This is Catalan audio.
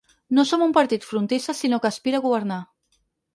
No som un partit frontissa sinó que aspira a governar.